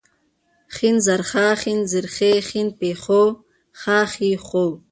ښ زر ښا، ښېن زير ښې ، ښين پيښ ښو ، ښا ښې ښو